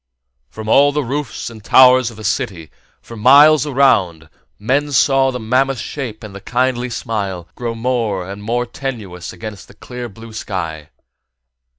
From all the roofs and the towers of the city, for miles and miles around, men saw the mammoth shape and the kindly smile grow more and more tenuous against the clear blue sky.